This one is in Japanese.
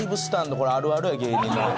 これあるあるや芸人の。